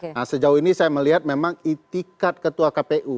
nah sejauh ini saya melihat memang itikat ketua kpu